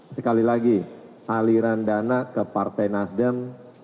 sekali lagi aliran dana ke partai nasdem